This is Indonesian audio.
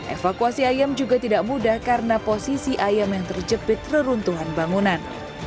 evakuasi ayam juga tidak mudah karena posisi ayam yang terjepit reruntuhan bangunan